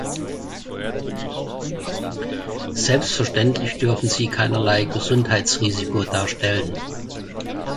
Selbstverständlich dürfen sie keinerlei Gesundheitsrisiko darstellen.